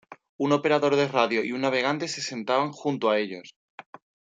Un operador de radio y un navegante se sentaban junto a ellos.